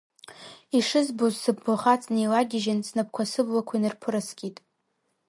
Ишызбоз сыблахаҵ неилагьыжьын, снапқәа сыблақәа инарԥыраскит.